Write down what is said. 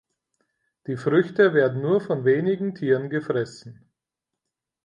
Die Früchte werden nur von wenigen Tieren gefressen.